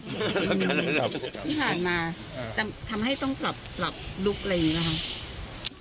ที่ผ่านมาทำให้ต้องปรับลุกอะไรอย่างนี้หรือครับ